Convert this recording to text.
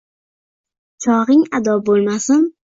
Cho’g’ing ado bo’lmasin».